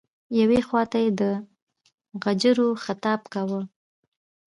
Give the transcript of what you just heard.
یوې خواته یې د غجرو خطاب کاوه.